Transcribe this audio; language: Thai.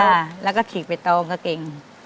ใช่แล้วก็ขีดไปต้องก็เก่ง